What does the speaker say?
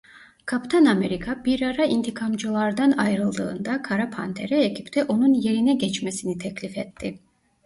Kaptan Amerika bir ara İntikamcılar'dan ayrıldığında Kara Panter'e ekipte onun yerine geçmesini teklif etti.